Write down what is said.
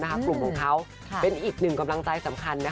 กลุ่มของเขาเป็นอีกหนึ่งกำลังใจสำคัญ